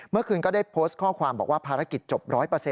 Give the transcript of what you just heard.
ก็ได้โพสต์ข้อความบอกว่าภารกิจจบ๑๐๐